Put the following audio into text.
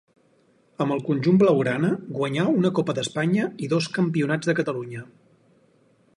Amb el conjunt blaugrana guanyà una Copa d'Espanya i dos campionats de Catalunya.